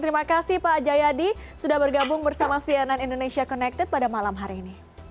terima kasih pak jayadi sudah bergabung bersama sianan indonesia connected pada malam hari ini